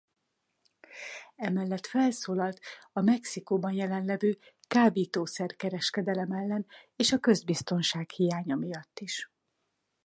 Emellett felszólalt a Mexikóban jelenlevő kábítószer-kereskedelem ellen és a közbiztonság hiánya miatt is.